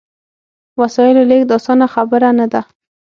وسایلو لېږد اسانه خبره نه ده.